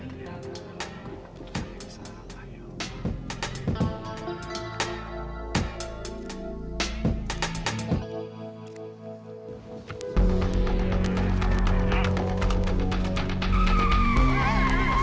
kembalikan dia ke rumah